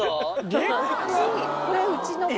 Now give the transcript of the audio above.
これ、うちの子。